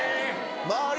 周り